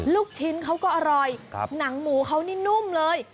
ลูกชิ้นเขาก็อร่อยหนังหมูเขานี่นุ่มเลย